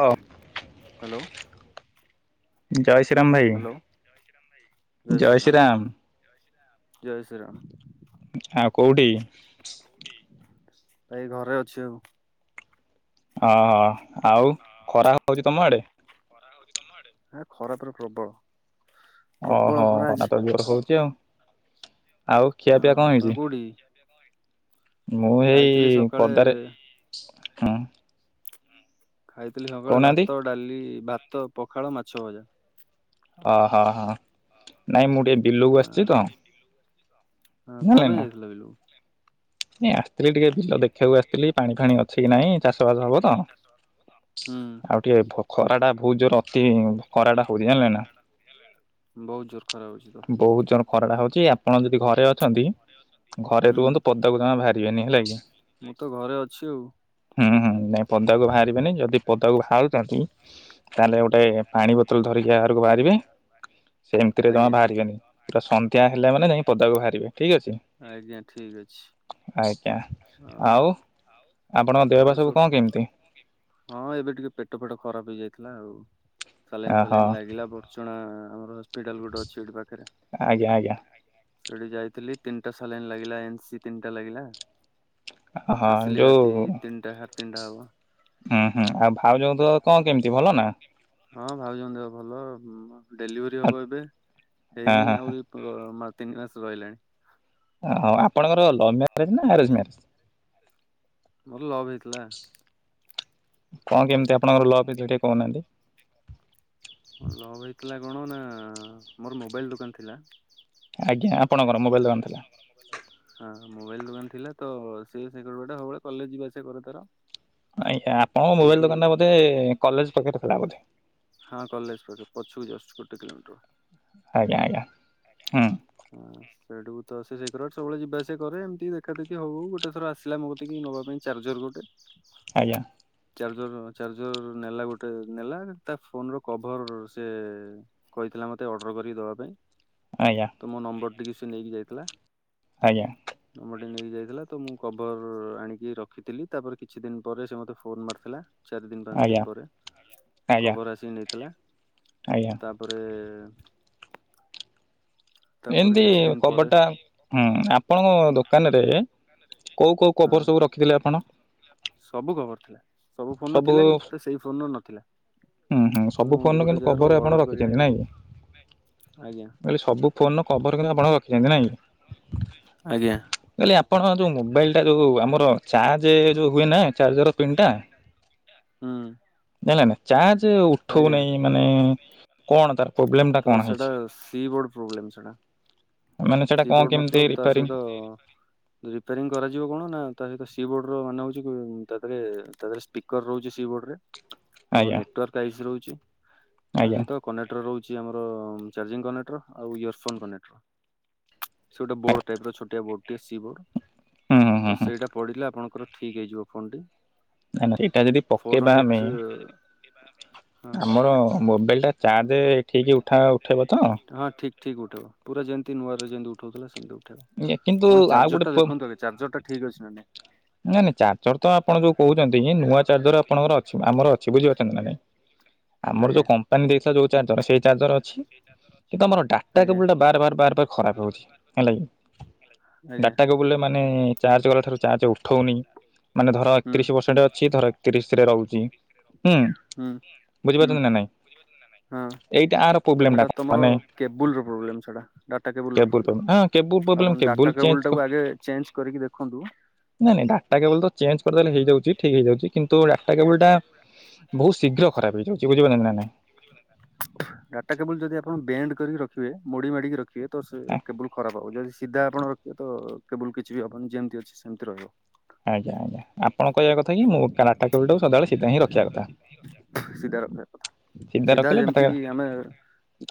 ହଁ ହ୍ୟାଲୋ। ଜୟ ଶ୍ରୀରାମ ଭାଇ ହ୍ୟାଲୋ ଜୟ ଶ୍ରୀରାମ। ଜୟ ଶ୍ରୀ ରାମ। ଆଉ କୋଉଠି? ଏାଇ ଘରେ ଅଛି ଆଉ। ଓହଁ ଆଉ ଖରା ହଉଛି ତମ ଆଡେ ଖରା ପୁରା ପ୍ରବଳ ପ୍ରବଳ ଓହୋ ଖରା ହ ଆଜି [unintelligible] ଜୋର ହଉଛି ଆଉ ଆଉ ହଁ ଖିଆପିଆ କଣ ତମେ ହେଇଛି। କୋଉଠି ମୁଁ ଏଇ ଖାଇଥିଲି ସକାଳେ ପର୍ଦାରେ ହଁ। ଖାଇଥିଲି ସକାଳେ ଭାତ ଡାଲି ଭାତ ପଖାଳ ମାଛ ଭଜା। ଅହ ହ ନାଇଁ ମୁଁ ଟିକେ ବିଲକୁ ଆସିଛି ତ। ହଁ କଣ ଜାଣିଲେ ପାଇଁ ନା। ଯାଇଥିଲା ବିଲୁକୁ? ଆସିଥିଲି ଟିକେ ବିଲ ଦେଖିବାକୁ ଆସିଥିଲି ପାଣି ଫାଣି ଅ ସେଠିକ ନାହିଁ ଚାଷବାସ ହବ ତ ହୁଁ ଆଉ ଟିକେ ଖରାଟା ବହୁତ ଜୋର ଅତି ହଉଛି ଜାଣିଲେ ନା। ବହୁତ ଜୋରେ ଖରା ହେଉଛି। ବହୁତ ଜୋର ଖରାଟା ହେଉଛି ଆପଣ ଯଦି ଘରେ ଅଛନ୍ତି ଘରେ ହୁଁ ରୁହନ୍ତୁ ପଦାକୁ ଜମାେ ବାହାରିବେନି ହେଲା କି? ମୁଁ ତ ଘରେ ଅଛି ଆଉ। ହୁଁ ହୁଁ ନାଇଁ ପଦାକୁ ବାହାରିବେନି ଯଦି ପଦାକୁ ବାହାରୁଛନ୍ତି ତାହେଲେ ଗୋଟେ ପାଣି ବୋତଲ ଧର [unintelligible] ବାହାରକୁ ବାହାରିବେ ସେମିତିରେ ତ ଆଜ୍ଞା ବାହାରିବେନି ପୁରା ସନ୍ଧ୍ୟା ହେଲେ ମାନେ ଯାଇ ପଦାକୁ ବାହାରିବେ। ଠିକ୍ ଅଛି ଆଜ୍ଞା ଠିକ୍ ଅଛି। ଆଜ୍ଞା ହଉ ଆଉ ଆପଣଙ୍କ ଦେହ ପା ଆଉ କଣ ସବୁ କେମିତି? ହଁ ଏବେ ଟିକେ ପେଟ ଫେଟ ଖରାପ ହେଇଯାଇଥିଲା ଆଉ। ସାଲାଇନ୍ ଓହୋ ପାଲାଇନ୍ ଲାଗିଲା ବର୍ଚୁଣା ଆମର ହସ୍ପିଟାଲ ଗୋଟେ ଅଛି ଏଠି ପାଖରେ। ଆଜ୍ଞା ଆଜ୍ଞା। ସେଠି ଯାଇଥିଲି ତିନିଟା ସାଲାଇନ୍‌ ଲାଗିଲା ଏନ୍‌ ସି ତିନିଟା ଲାଗିଲା। ହଁ ଯୋଉ ସାଢ଼େ ତିନିଟା ହବ। ହୁଁ ହୁଁ ଆଉ ଭାଉଜଙ୍କ ତ ଦେହ କଣ କେମିତି ଭଲ ନା? ହଁ ଭାଇଜଙ୍କ ଦେହ ଭଲ ଡେଲିଭେରି ହବ ଏବେ ହେଇନି ଆହୁରି କ ମା ତିନି ମାସ ରହିଲାଣି। ହ ଆପଣଙ୍କର ଲଭ୍ ମ୍ୟାରେଜ ନା ଆରେଞ୍ଜ ମ୍ୟାରେଜ୍? ମୋର ଲଭ ହେଇଥିଲା। କଣ କେମିତି ଆପଣଙ୍କର ଲଭ ହେଇଥିଲା ଟିକେ କହୁନାହାନ୍ତି? ଲଭ୍ ହେଇଥିଲା କଣ ନା ମୋର ମୋବାଇଲ ଦୋକାନ ଥିଲା। ଆଜ୍ଞା ଆପଣଙ୍କର ମୋବାଇଲ ଦୋକାନ ଥିଲା। ହଁ ମୋବାଇଲ ଦୋକାନ ଥିଲା ତ ସେ ସେକଟ ବାଟେ ସବୁବେଳେ କଲେଜ୍‌ ଯିବା ଆସିବା କରେ ତାର। ଆଜ୍ଞା ଆପଣଙ୍କ ମୋବାଇଲ ସେଇଠୁ ଦୋକାନ ଟା ବୋଧେ କଲେଜ୍‌ ପଖରେ ଥିଲା ବୋଧେ। ହଁ କଲେଜ ପାଖେ ପଛକୁ ଜଷ୍ଟ ଗୋଟେ କିଲୋମିଟର। ଆଜ୍ଞା ଆଜ୍ଞା ହୁଁ। ହଁ ସେଇଠୁକୁ ତ ସେ ଶିଘ୍ର ସବୁବେଳେ ଯିବା ଆସିବା କରେ ଏମିତି ଦେଖା ଦେଖି ହଉ ଗୋଟେ ଥର ଆସିଲା ମ ଗତିକି ନେବା ପାଇଁ ଚାର୍ଜର ଗୋଟେ। ଆଜ୍ଞା ଚାର୍ଜର୍ ଚାର୍ଜର୍ ନେଲା ଗୋଟେ ନେଲା ତା ଫୋନ୍‌ ର କଭର୍ ସେ କହିଥି ଲା ମତେ ଅର୍ଡ଼ର କରିକି ଦେବା ପାଇଁ। ଆଜ୍ଞା ତମ ନମ୍ବର ଟିକେ ସେ ନେଇକି ଯାଇଥିଲା। ଆଜ୍ଞା। ନମ୍ବରଟି ନେଇକି ଯାଇଥିଲା ତ ମୁଁ କଭର୍ ଆଣିକି ରଖିଥିଲି ତାପରେ କିଛି ଦିନ ପରେ ସେ ମତେ ଫୋନ୍‌ ମାରିଥିଲା। ଚାରି ଦିନ୍‌ ପାଞ୍ଚ ଆଜ୍ଞା ଦିନ୍‌ପରେ ଆଜ୍ଞା କଭର୍ ଆସିିକି ନେଇଥିଲା। ଆଜ୍ଞା ତାପରେ ତାପରେ ଏମିତି କିଛି ଦିନ କବର୍ ପରେ ଟା ହଁ ଆପଣଙ୍କ ଦୋକାନରେ କୋଉ କୋଉ ହଁ କଵର୍ ସବୁ ରଖିଥିଲେ ଆପଣ? ସବୁ କବର ଥିଲା ସବୁ ଫୋନ ଥିଲା କିନ୍ତୁ ତ ସେଇ ଫୋନର ନ ହୁଁ ହୁଁ ସବୁ ଫୋନ ର କିନ୍ତୁ ଜାଗାରୁ କଭର ଆପଣ ଅର୍ଡର କରି ରଖିଛନ୍ତି ଆଣିକି ନାଇଁ ଦେଇଥିଲି। କି? ଆଜ୍ଞା କଇଲି ସବୁ ଫୋନ ର କଭର କିନ୍ତୁ ଆପଣ ରଖିଛନ୍ତି ନାଇଁକି? ଆଜ୍ଞା କାଲି ଆପଣ ଯୋଉ ମୋବାଇଲ ଟା ଯୋଉ ଆମର ଅଛି। ଚାର୍ଜେ ହୁଏ ନା ଚାର୍ଜର ପିନ୍ ଟା ହୁଁ। ହେଲା ଚାର୍ଜ ଆଜ୍ଞା। ଉଠଉନାଇ ମାନେ କଣ ତାର ପ୍ରୋବ୍ଲେମ ଟା ତ କଣ ସେଟା ହେଇଛି? ସି ବୋର୍ଡ ପ୍ରୋବ୍ଲେମ୍ ସେଟା। ମାନେ ସେଇଟା ସି କଣ ବୋର୍ଡ କେମିତି ମତଲବ ତା ରିପାରିଂ ସହିତ ରିପାରିଂ କରାଯିବ କଣ ନା ତା ସହିତ ସି ସି ବୋର୍ଡ ର ମାନେ ହଉଛି ତା ଦେହରେ ତା ଦେହରେ ସ୍ପିକର ରହୁଛି ସି ବୋର୍ଡରେ ଆମ ଆଜ୍ଞା ନେଟୱାର୍କ ଆଇଶୁ ରହୁଛି। ତା ଆଜ୍ଞା ସହିତ କନେକ୍ଟର ରହୁଛି। ଚି ଆମର ଚାର୍ଜିଂ କନେକ୍ଟର ଆଉ ଇୟରଫୋନ୍ କନେକ୍ଟର। ସେ ଗୋଟେ ବୋର୍ଡ ଟାଇପ ର ଛୋଟିଆ ବୋର୍ଡ଼ ଟେ ସି ବୋର୍ଡ ହୁଁ ହୁଁ ହୁଁ ତ ହୁଁ ସେଇଟା ପଡିଲେ ଆପଣ ର ଠିକ୍ ହେଇଯିବ ଫୋନଟି ନା ନା ଏଟା ଯଦି ପକେଇବା ଆମେ କାହା ପାଇଁ? ଆମର ମୋବାଇଲ ଟା ଚାର୍ଜ ଠିକ ଉଠା ଉଠେଇବ ତ? ହଁ ଠିକ୍ ଉଠେଇବ ପୁରା ଯେମତି ନୂଆରେ ଯେମିତି ଉଠଉଥିଲା ସେମିତି ଉ କିନ୍ତୁ ଆପଣ ଆଉ ଚାର୍ଜର ଗୋଟେ ଟା ପ ଦେଖନ୍ତୁ ଆଗ ଚାର୍ଜର ଟା ଠିକ୍ ଅଛି ନା ନାଇଁ। ନାଇଁ ନାଇଁ ଚାର୍ଜର ତ ଆପଣ ଯୋଉ କହୁଛନ୍ତି ନୂଆ ଚାର୍ଜର ଆପଣଙ୍କର ଅଛି ଆମର ଅ ସେ ବୁଝିପାରୁଛନ୍ତି ନା ନାଇଁ? ଆମର ଆଜ୍ଞା ଯୋଉ କମ୍ପାନୀ ଦେଇଥିଲା ଯୋଉ ଚାର୍ଜର ସେଇ ଚାର୍ଜର ଅଛି। କିନ୍ତୁ ଆମର ଡାଟା ଆଜ୍ଞା। କେବୁଲ ଟା ବାର ବାର ବାର ବାର ଖରାପ ହଉଛି ହେଲା କି। ଆଜ୍ଞା ଡାଟା କେବୁଲ୍ ଟା ମାନେ ଚାର୍ଜ କଲା ଠାରୁ ଚାର୍ଜ ଉଠଉନି। ମାନେ ଧର ହୁଁ ଏକତିରିଶ ପରସେଣ୍ଟ ଅଛି ଧର ଏକତିରିଶ ରେ ରହୁଛି ହୁଁ। ହୁଁ ବୁଝିପାରୁଛନ୍ତି ନା ନାଇଁ ହଁ ଏଇଟା ଆର ତ ପ୍ରୋବ୍ଲେମ ଟା ସେଇଟା ତମର ମାନେ କେବୁଲର ପ୍ରୋବ୍ଲେମ ସେଟା ଡାଟା କେବୁଲର କେବୁଲ ହଁ କେବୁଲ ପ୍ରୋବ୍ଲେମ। ପ୍ରୋବ୍ଲେମ ଆପଣ ଡାଟା ଚେଞ୍ଜ କେବୁଲ ଟାକୁ ଆଗେ ଚେଞ୍ଜ କରିକି ଦେଖନ୍ତୁ। ନାଇଁ ନାଇଁ ଡାଟା କେବୁଲ ତ ଚେଞ୍ଜ କରିଦେଲେ ହେଇଯାଉଛି। ଠିକ ହେଇଯାଉଛି କିନ୍ତୁ ଟା କେବୁଲଟା ବହୁତ ଶୀଘ୍ର ଖରାପ ହେଇଯାଉଛି ବୁଝିପାର ନା ନାଇଁ? ଡାଟା କେବୁଲ ଯଦି ଆପଣ ବେଣ୍ଡ କରିକି ରଖିବେ ମୋଡି ମାଡିକି ରଖିବେ ତ ସେ ଆଁ, କେବୁଲ ଖରାପ ହବ ଯଦି ସିଧା ଆପଣ ରଖିବେ ତ କେବୁଲ କିଛି ବି ହବନି ଯେମିତି ଅଛି ସେମିତି ରହିବ। ଆଜ୍ଞା ଆଜ୍ଞା ଆପଣ କହିବା କଥା କି ମୁଁ ଡାଟା କାବୁଲଟାକୁ ସଦାବେଳେ ସୀଧା ହିଁ ରଖିବା କଥା। ସିଧା ରଖିବା କଥା ସିଧା ରଖିଲେ ଯେମିତ ଡାଟା ସେତିକି ଆମେ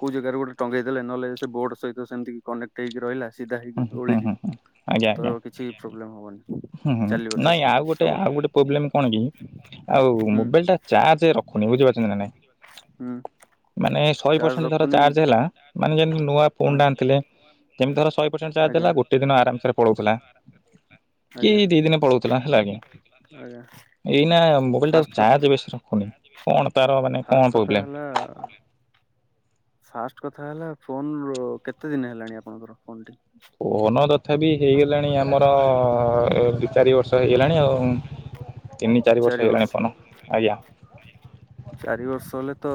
କୋଉ ଜାଗାରେ ଗୋଟେ ଟଙ୍ଗେଇ ଦେଲେ ନହେଲେ ସେ ବୋର୍ଡ ସହିତ ସେମିତି କନେକ୍ଟ ହେଇକି ରହିଲା। ସିଧା ହେଇକି ହୁଁ ହୁଁ ଓଳିକି ହୁଁ ହୁଁ ଆଜ୍ଞା ଆଜ୍ଞା ତ କିଛି ପ୍ରୋବ୍ଲେମ ହବନି। ହୁଁ ଚାଲିବ ସେ ନାଇଁ ସେମିତି ଆଉ ଗୋଟେ ସବୁବେଳେ। ଆଉ ଗୋଟେ ପ୍ରୋବ୍ଲେମ କଣ କି ଆଉ ହୁଁ ମୋବାଇଲ ଟା ଚାର୍ଜ ରଖ ପୁଣି ବୁଝିପାରୁଛନ୍ତି ନା ନାଇ? ହୁଁ। ମାନେ ଶହେ ଚାର୍ଜ ପରସେଣ୍ଟ ଧର ରଖୁନି ଚାର୍ଜ ହେଲା ମାନେ ଯେନ ନୂଆ ହଁ। ଫୋନ ଟା ଆଣିଥିଲେ ଯେମିତି ଧର ଶହେ ପରସେଣ୍ଟ ଚାର୍ଜ ଆଜ୍ଞା ହେଲା ଗୋଟେ ଦିନ ଆରାମସରେ ପଳଉଥିଲା। କି ଆଜ୍ଞା ଦି ଦିନ ପଳଉଥିଲା ହେଲା କି ଆଜ୍ଞା ଏଇନା ମୋବାଇଲ ଫାଷ୍ଟ ଟାକୁ ଚାର୍ଜ ବେଶୀ ରଖୁନି କଥା କଣ ତାର ମାନେ କଣ ପ୍ରୋବ୍ଲେମ? ନା ଫାଷ୍ଟ କଥା ହେଲା ଫୋନ କେତେ ଦିନ ହେଲାଣି ଆପଣଙ୍କର ଫୋନ୍ ଟି ଫୋନ ତଥାବି ହେଇଗଲାଣି ଆମର ଦି ଚାରି ବର୍ଷ। ବର୍ଷ ହେଇଗଲାଣି ଆଉ ତିନି ଚାରି ବର୍ଷ ହେଇଗଲାଣି। ଫୋ ଆଜ୍ଞା ଚାରି ବର୍ଷ ହେଲେ ତ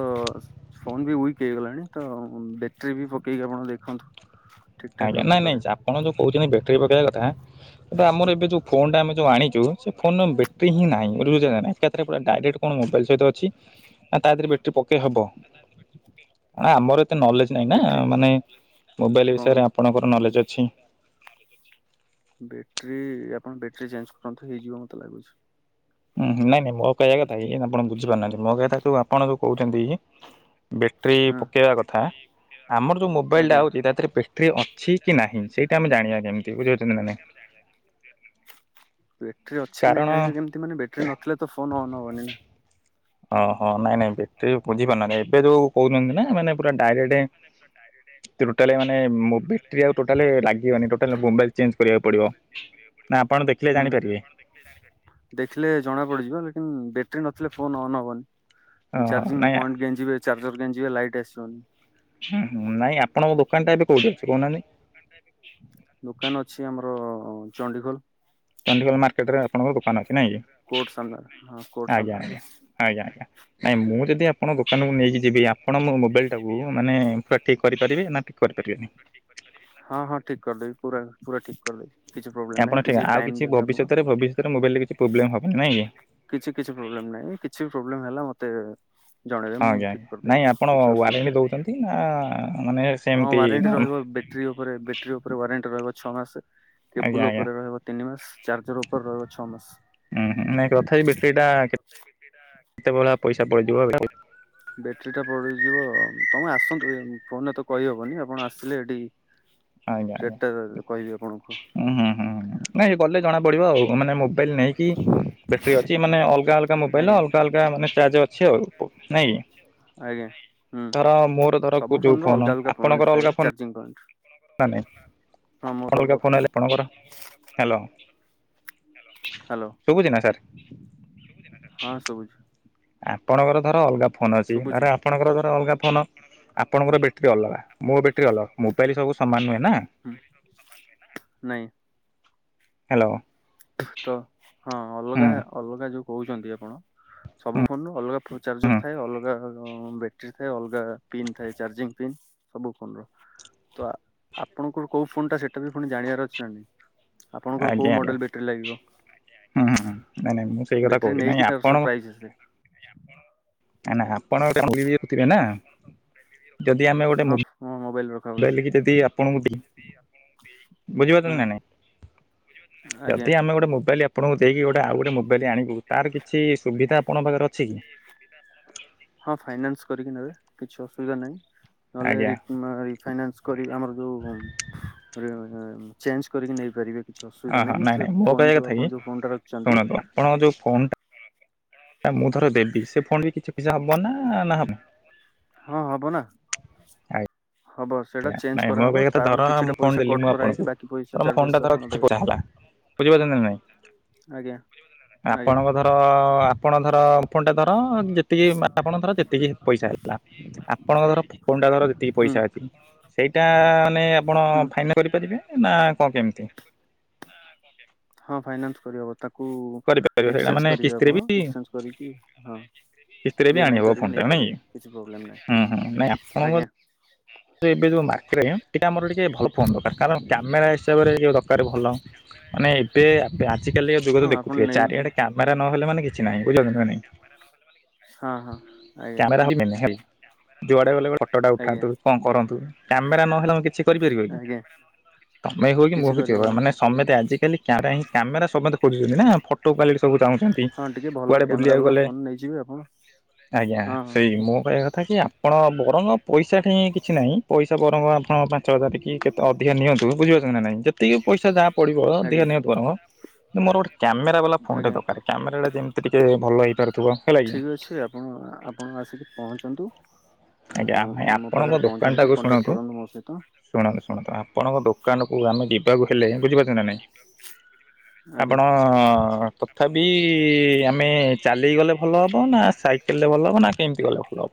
ଫୋନ ବି ୱିକ ହେଇଗଲାଣି ତ ବ୍ୟାଟେରୀ ବି ପକେଇକି ଆପଣ ଦେଖନ୍ତୁ। ଠିକ ଠାକ ଆଜ୍ଞା ନାଇଁ ରଖିପାରେ। ନାଇଁ ଆପଣ ଯୋଉ କହୁଛନ୍ତି ବ୍ୟାଟେରୀ ପକେଇବା କଥା ଆମର ଏବେ ଯୋଉ ଫୋନ ଟା ଆମେ ଯୋଉ ଆଣିଚୁ ସେ ଫୋନ୍ ର ବେଟ୍ରୀ ହଁ ନାହିଁ ବୁଝିପାରୁଚ ନା ଏକାଥରେ ପୁରା ଡାଇରେକ୍ଟ କଣ ମୋବାଇଲ ସହିତ ଅଛି ନା ତା ଦେହରେ ବ୍ୟାଟେରୀ ପକେଇ ହବ ଆମର ଏତେ ନଲେଜ ନାହିଁ ନା ବ୍ୟାଟେରୀ ମାନେ ମୋବାଇଲ କଣ ବିଷୟରେ ଆପଣଙ୍କର ନଲେଜ ଅଛି। ବ୍ୟାଟ୍ରି ଆପଣ ବ୍ୟାଟେ୍ରୀ ଚେଞ୍ଜ କରନ୍ତୁ ହେଇଯିବ ମୋତେ ଲାଗୁଛି। ହୁଁ ନାଇଁ ନାଇଁ ମୋ କହିବା କଥା ଏଇ ଆପଣ ବୁଝିପାରୁନାହାନ୍ତି ମୋ କହିବା କଥା ଆପଣ ଯୋଉ କହୁଛନ୍ତି ବ୍ୟାଟେରୀ ହଁ ପକେଇବା କଥା ଆମର ଯେଉଁ ମୋବାଇଲଟା ଆଜ୍ଞା ହେଉଛି ତା ଦେହରେ ବ୍ୟାଟେରୀ ଅଛି କି ନାହିଁ ସେଇ ବେଟ୍ରୀ ଅଛି କି ନାଇଁ ଜାଣିବେ କାରଣ କେମିତି ମାନେ ବ୍ୟାଟେରୀ ନଥିଲେ ତ ଫୋନ ଅନ ହବନି ନା ଅହୋ ନାଇଁ ନାଇଁ ବେଟ୍ରି ବୁଝିପାରୁନାହାଁନ୍ତି ଏବେ ଯୋଉ କହୁଛନ୍ତି ନା ମାନେ ପୁରା ଡାଇରେକ୍ଟ ଟୋଟାଲ ମାନେ ବେଟେରୀ ଆଉ ଟୋଟାଲ ଲାଗିବନି ଟୋଟାଲ ମୋବାଇଲ ଚେଞ୍ଜ କରିବାକୁ ପଡିବ। ନା ଆପଣ ଦେଖିଲେ ହୁଁ ଜାଣିପାରିବେ ଦେଖିଲେ ଜଣା ପଡିଯିବ ଲେକିନ ବେ ବେଟ୍ରି ନଥିଲେ ଫୋନ୍ ଅନ୍ ହବନି ଓହୋ ଚାର୍ଜିଂ ନାଇଁ ପଏଣ୍ଟ ଗେଂଜିବେ ଚାର୍ଜର ଗେଂଜିବେ ଲାଇଟ୍ ଆସିବନି। ନାଇଁ ଆପଣଙ୍କ ଦୋକାନ ଟା ଏବେ କୋଉଠି ଅଛି କହୁନାହାନ୍ତି ଦୋକାନ ଅଛି ଆମର ଚଣ୍ଡିଖୋଲ। ଚଣ୍ଡିଖୋଲ ମାର୍କେଟ ରେ ଆପଣଙ୍କ ଦୋକାନ ଅଛି ନାଇଁ କି? କୋର୍ଟ ସାମ୍ନାରେ ହଁ କୋର୍ଟ ଆଜ୍ଞା ସାମ୍ନାରେ ଆଜ୍ଞା ଆଜ୍ଞା ଆଜ୍ଞା ନାଇଁ ମୁଁ ଯଦି ଯଦି ଆପଣ ଦୋକାନକୁ ନେଇକି ଯିବି ଆପଣ ମୋ ମୋବାଇଲଟାକୁ ମାନେ ପୁରା ଠିକ୍ କରିପାରିବେ ନା ଟି କରିପାରିବେନି। ହଁ ହଁ ଠିକ କରିଦେବି ପୁରା ପୁରା ଠିକ କରିଦେବି। କିଛି ପ୍ରୋବ୍ଲେମ ନାହିଁ ଆପଣ ଠିକ, ଆଉ, ଟାଇମ କିଛି ଦେବେ ଆପଣ ଭବିଷ୍ୟତରେ-ଭବିଷ୍ୟତରେ ମୋବାଇଲ ରେ କିଛି ପ୍ରୋବ୍ଲେମ ହବନି ନାଇଁ କି? କିଛି କିଛି ପ୍ରୋବ୍ଲେମ ନାହିଁ। କିଛି ପ୍ରୋବ୍ଲେମ ହେଲା ମତେ ଜଣେଇବେ, ମୁଁ ଆଜ୍ଞା ଠିକ ଆଜ୍ଞା କରିଦେବି, ନାଇଁ ଆପଣ କିଛି ଅସୁବିଧା ୱାରେଣ୍ଟି ନାହିଁ। ଦଉଛନ୍ତି ନା ମାନେ ହଁ ସେମିତି ୱାରେଣ୍ଟି ନର୍ମ ରହିବ। ବ୍ୟାଟେରୀ ଉପରେ ବ୍ୟାଟେରୀ ଉପରେ ୱାରେଣ୍ଟି ରହିବ ଛଅ ମାସ, ଆଜ୍ଞା କେବୁଲ ଆଜ୍ଞା ଉପରେ ରହିବ ତିନି ମାସ। ଚାର୍ଜର ଉପରେ ରହିବ ଛଅ ମାସ। ଉ- ହୁଁ-ତଥାପି ବ୍ୟାଟେରୀଟା କେତ କେତେ ଭଳିଆ ପଇସା ପଡ଼ିଯିବ? ବ୍ୟାଟେରୀଟା ପୋଡ଼ିଯିବ, ତମେ ଆସନ୍ତୁ, ଫୋନରେ ତ କହିହେବନି, ଆପଣ ଆସିଲେ ଏଠି ଆଜ୍ଞା ଆଜ୍ଞା ସେଟଟା କହିବି ଆପଣଙ୍କୁ ହୁଁ ହୁଁ ହୁଁ ନାଇଁ, ଗଲେ ଜଣା ପଡିବ, ଆଉ ମାନେ ମୋବାଇଲ ନେଇକି ବ୍ୟାଟେରୀ ଅଛି, ମାନେ ଅଲଗା ଅଲଗା ମୋବାଇଲ, ଆଜ୍ଞା। ଅଲଗା ଅଲଗା ମାନେ ଚାର୍ଜ ଅଛି, ଆଉ ନାଇଁ କି? ଆଜ୍ଞା ହୁଁ ଧର, ମୋର ଧର ସବୁ ଯୋଉ ର ଫୋନ, ଅଲଗା ଅଲଗା ପଏଣ୍ଟ ଆପଣଙ୍କର ଥାଏ ଅଲଗା ଫୋନ, ଚାର୍ଜିଂ ପଏଣ୍ଟ ନା ନାଇଁ ହଁ ମୋର ଆପଣଂକଙ୍କ ଅଲଗା ଫୋନ ଆଇଲେ ଆପଣଂକର ହାଲୋ। ହ୍ୟାଲୋ, ହଁ, ଶୁଭୁଚି। ଆପଣଙ୍କର, ଧର, ଅଲଗା ଫୋନ ଅଛି ଶୁଭୁଛି। ଧର, ଆପଣଙ୍କର, ଧର ଅଲଗା ଫୋନ। ଆପଣଙ୍କର, ବେଟ୍ରି ଅଲଗା, ମୋ ବେଟ୍ରି ଅଲଗା, ମୋବାଇଲ ସବୁ ସମାନ ନୁହେଁ ନା। ହୁଁ ନାଇଁ। ହ୍ୟାଲୋ। ତ, ହଁ, ଅଲଗା ହୁଁ ଅଲଗା, ଯୋଉ କହୁଛନ୍ତି ଆପଣ। ସବୁ ଫୋନରୁ ଅଲଗା ଚାର୍ଜର ଥାଏ, ଅଲଗା ବ୍ୟାଟେରୀ ଥାଏ, ଅଲଗା ପିନ୍ ଥାଏ, ଚାର୍ଜିଂ ପିନ୍। ସବୁ ଫୋନର ତ, ଆପଣଙ୍କର କୋଉ ଫୋନ୍ ଟା, ସେଟା ବି ଫୁଣି ଜାଣିବାର ଅଛି ନା ନାଇ? ଆପଣଙ୍କର ଆଜ୍ଞା କୋଉ ଆଜ୍ଞା ମଡେଲ ବେଟ ଲାଗିବ, ହୁଁ ହୁଁ ନାଇଁ ନାଇଁ ମୁଁ ସେଇ କଥା ବେଟ୍ରି କହୁଛି ନାଇଁ ନେଇକି, ତାର ଆପଣ ସବୁ ପ୍ରାଇସ ଆସେ। ନାଁ ଆପଣ [unintelligible] ଥିବେ ନା। ଯଦି ହଁ, ମୋ ମୋବାଇଲ ରଖ। ବେଲିକି, ଯଦି ଆପଣଙ୍କୁ ଦେଇ ହଁ ବୁଝିପାରୁଛନ୍ତି ନା ନାଇଁ? ଆଜ୍ଞା ଯଦି ଆମେ ଗୋଟେ ମୋବାଇଲ ଆପଣଙ୍କୁ ଦେଇକି, ଗୋଟେ ଆଉ ଗୋଟେ ମୋବାଇଲ ଆଣିବୁ, ତାର କିଛି ସୁବିଧା ଆପଣଙ୍କ ପାଖରେ ଅଛି କି? ହଁ ଫାଇନାନ୍ସ କରିକି ନେବେ। କିଛି ଅସୁବିଧା ନାହିଁ। ନହେଲେ ଆଜ୍ଞା ରି ଫାଇନାନ୍ସ କରି, ଆମର ଯୋଉ ରେ ଚେଞ୍ଜ କରିକି ନେଇପାରିବେ। କିଛି ହଁ, ଅସୁବିଧା ହଁ। ନାହିଁ ନାଇଁ, ସେ ନାଇଁ। ମୋ ଫୋନ କହିବା ଯୋଉ କଥା ଆପଣ କି, ଯୋଉ ଫୋନ ଟା ରଖିଛନ୍ତି ଶୁଣନ୍ତୁ, ଆପଣଙ୍କ ଯୋଉ ଫୋନ ଟା ମୁଁ, ଧର ଦେବି। ସେ ଫୋନ୍ ବି କିଛି ପଇସା ହବ ନା, ନା ନାହିଁ? ହଁ, ହବ ନା। ଆଏ। ହବ ସେଇଟା ଆଜ୍ଞା, ଚେଞ୍ଜ ନାଇଁ, ମୋ କରାହବ କହିବା କଥା, ତା ଦେହରୁ ଧର, କିଛିଟା ମୁଁ ଫୋନ ପଇସା ଦେଲି କଟ୍ ମୁଁ କରାହେଇକି ଆପଣଙ୍କୁ। ବାକି ପଇସା ଧର, ମୋ ଚାର୍ଜେସ୍ ଫୋନ୍ଟା ଧର, ଆପଣ କିଛି ଦେବେ ପଇସା ହେଲା। ବୁଝିପାରୁଛନ୍ତି, ନା ନାଇଁ? ଆଜ୍ଞା ଆଜ୍ଞା ଆପଣଙ୍କ ଧର ଆପଣ, ଧର, ଫୋନ୍ଟା ଧର, ଯେତିକି। ଆପଣ, ଧର, ଯେତିକି ପଇସା ହେଲା। ଆପଣଙ୍କ, ଧର, ଫୋନ୍ଟା, ଧର, ଯେତିକି ହୁଁ ପଇସା ଅଛି। ସେଇଟା ମାନେ ଆପଣ ହୁଁ ଫାଇନା କରିପାରିବେ ନା କ କେମିତି? ହଁ ଫାଇନାଥ କରିହବ। ତାକୁ କରିପାରିବେ ସେଇଟା ଏକ୍ସଚେଞ୍ଜ ମାନେ କରିବେ କିସ୍ତିରେ ଆପଣ ବି ଏକ୍ସଚେଞ୍ଜ କରିକି ହଁ। କିସ୍ତିରେ ଇ ବି ଏମ୍ ଆଇ ଆଣିହବ କରିକି ଫୋନ୍ଟା ନାଇଁ? ନେଇପାରିବେ କିଛି ପ୍ରୋବ୍ଲେମ୍ ନାହିଁ ହୁଁ ହୁଁ ନାଇଁ ଆପଣଙ୍କ ଆଜ୍ଞା ଏବେ ଯେଉଁ ମାର୍କେରେ ଟିକେ ଆମର ଟିକେ ଭଲ ଫୋନ୍ ଦରକାର କାରଣ କ୍ୟାମେରା ହିସାବରେ ଯୋଉ ଦରକାର ଭଲ। ମାନେ ଏବେ ଆବେ ଆଜିକାଲି ଯୁଗ ହଁ ତ ଆପଣ ଦେଖୁଥିବେ ନେଇ ଚାରିଆଡେ କ୍ୟାମେରା ନହେଲେ ମାନେ କିଛି ନାହିଁ, ବୁଝି ପାରୁଛ ନା ନାହିଁ? ହଁ ହଁ ଆଜ୍ଞା। ହଉଛି ମେନ୍ ହେଲା ଯୁଆଡେ ଗଲେ ଗୋଟେ ଫୋଟୋ ଟା ଆଜ୍ଞା ଉଠାନ୍ତୁ କଣ କରନ୍ତୁ କ୍ୟାମେରା ନହେଲେ ମୁଁ କିଛି କରିପାରିବ କି? ଆଜ୍ଞା ତମେ ହୁଅ କି ମୁଁ କିଛି କି ଯିଏ ହଉ କରିହବନି ଆମମାନେ ସମତେ ଆଜିକାଲି କ୍ୟା ପାଇଁ କ୍ୟାମେରା ସମସ୍ତେ ଖୋଜୁଛନ୍ତି ନା ଫଟ କ୍ୱାଲିଟି ସବୁ ଚାହୁଁଛନ୍ତି, ହଁ ଟିକେ ଭଲ କୁଆଡେ କ୍ୟାମେରା ବୁଲିବାକୁ ବାଲା ଗଲେ ଫୋନ ନେଇଯିବେ ଆପଣ। ଆଜ୍ଞା ହଁ ହଁ ସେଇ ମୋ କହିବା କଥା ଥା ଯେ ଆପଣ ବରଂ ପଇସା ଠି କି କିଛି ନାହିଁ ପଇସା ବରଂ ଆପଣ ପାଞ୍ଚ ହଜାର ଦେଖିକି କେତେ ଅଧିକା ନିଅନ୍ତୁ ବୁଝିପାରୁଛନ୍ତି ନା ନାହିଁ ଯେତିକି ପଇସା ଯା ପଡିବ ଦିଅ ଆଜ୍ଞା ନିଅ କରମ୍ ମୋର ଗୋଟେ କ୍ୟାମେରା ବାଲା ଫୋନଟେ ଆଜ୍ଞା। ଦରକାର କ୍ୟାମେରାଟା ଯେମିତି ଟିକେ ଭଲ ହେଇ ଠିକ ଅଛି ଆପଣ ଆପଣ ଆସିକି ପହଞ୍ଚନ୍ତୁ ଉଁ ମୋ ପାଖରେ ପହଞ୍ଚ କାଣ୍ଟା କୁ ଶୁଣାନ୍ତୁ ଶୁଣନ୍ତୁ ଶୁଣନ୍ତୁ ଆପ ଆପଣଙ୍କ ଦୋକାନକୁ ଆମେ ଯିବାକୁ ହେଲେ ବୁଝିପାରୁଛ ନା ନାହିଁ? ଆଜ୍ଞା। ଆପଣ ତଥାପି ଆମେ ଚାଲିକି ଗଲେ ଭଲ ହବ ନା ସାଇକେଲରେ ଭଲ ହବ ନା କେମିତି ଗଲେ ଭଲ ହବ?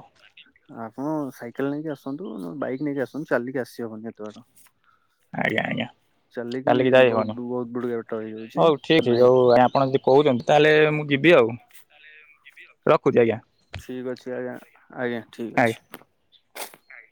ଆପଣ ସାଇକେଲ ନେଇକି ଆସନ୍ତୁ ବାଇକ ନେଇକି ଆସନ୍ତୁ ଚାଲିକି ଆସିହବନି ଏତେ ବାଟ। ଆଜ୍ଞା ଆଜ୍ଞା। ଚାଲିକି ଯାଇ ବହୁତ ହବନି ବହୁତ ବଡ ବାଟ ହେଇଯାଉଛି ହଉ ଠିକ ନାଇଁ ହଉ ଆପଣ ଯଦି କହୁଛନ୍ତି ତାହେଲେ ମୁଁ ଯିବି ଆଉ ରଖୁଛି ଆଜ୍ଞା। ଠିକ ଅଛି ଆଜ୍ଞା ଆଜ୍ଞା ଠିକ ଅଛି।